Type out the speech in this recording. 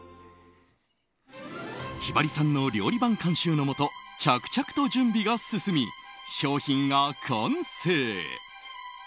ひばりさんの料理番監修のもと着々と準備が進み商品が完成。